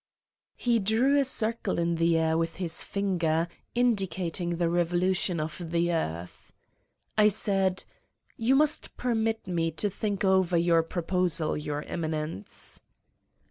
76 Satan's Diary He drew a circle in the air with his finger, indi cating the revolution of the earth. I said: "You must permit me to think over your pro posal, Your Eminence."